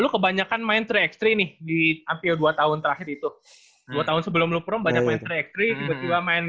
lu kebanyakan main tiga x tiga nih di hampir dua tahun terakhir itu dua tahun sebelum lu prom banyak main tiga x tiga